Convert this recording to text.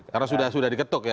karena sudah diketuk ya